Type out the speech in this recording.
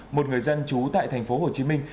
một người dân trú tại thành phố hồ chí minh